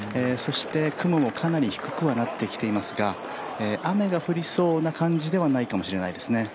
雲もかなり低くはなってきていますが、雨が降りそうな感じではないかもしれないですね。